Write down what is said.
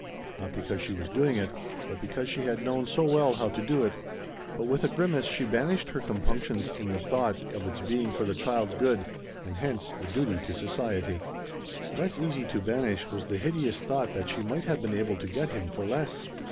Not because she was doing it, but because she had known so well how to do it. But with a grimace she banished her compunctions in the thought of its being for the child's good, and hence a duty to society. Less easy to banish was the hideous thought that she might have been able to get him for less!